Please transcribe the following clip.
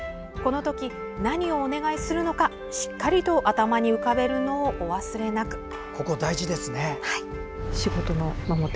このとき、何をお願いするのかしっかりと頭に浮かべるのをお忘れなく。